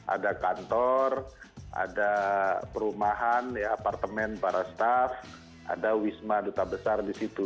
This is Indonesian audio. ada kantor ada perumahan apartemen para staff ada wisma duta besar di situ